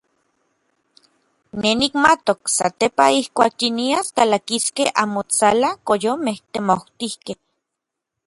Nej nikmatok satepaj ijkuak yinias kalakiskej anmotsalan koyomej temautijkej.